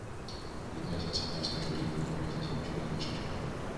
我们在以下情况下处理您的个人信息无需您的授权同意：